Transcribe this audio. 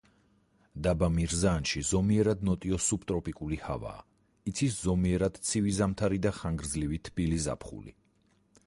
დაბა მირზაანში ზომიერად ნოტიო სუბტროპიკული ჰავაა, იცის ზომიერად ცივი ზამთარი და ხანგრძლივი თბილი ზაფხული.